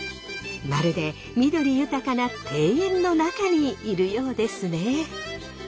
まるで緑豊かな庭園の中にいるようですね。